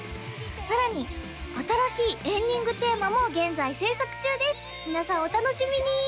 さらに新しいエンディングテーマも現在制作中です皆さんお楽しみに！